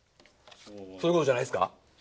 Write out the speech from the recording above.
そういうことじゃないですか？